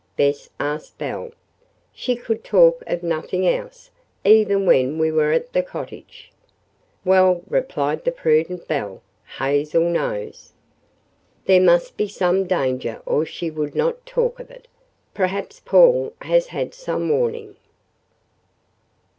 Bess asked Belle. "She could talk of nothing else, even when we were at the cottage." "Well," replied the prudent Belle, "Hazel knows. There must be some danger or she would not talk of it. Perhaps Paul has had some warning."